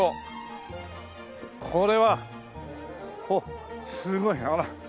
これはおっすごいほら。